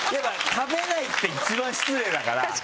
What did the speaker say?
食べないって一番失礼だから。